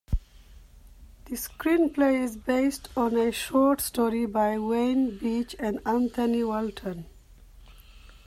The screenplay is based on a short story by Wayne Beach and Anthony Walton.